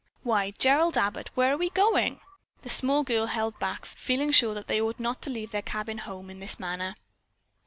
"Why, Gerald Abbott, where are we going?" the small girl held back, feeling sure that they ought not to leave their cabin home in this manner.